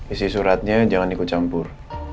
isi suratnya jangan ikut campur